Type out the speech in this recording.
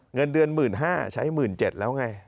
เงินเดือน๑๕๐๐ใช้๑๗๐๐แล้วไง